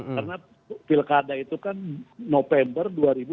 karena pilkada itu kan november dua ribu dua puluh empat